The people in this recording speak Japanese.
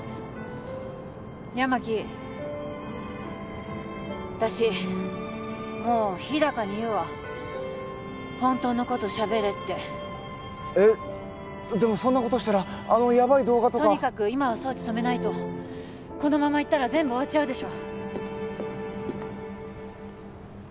八巻私もう日高に言うわ本当のことしゃべれってえっでもそんなことしたらあのヤバい動画とかとにかく今は送致止めないとこのままいったら全部終わっちゃうでしょ